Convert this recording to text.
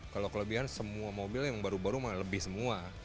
kalau kelebihan semua mobil yang baru baru lebih semua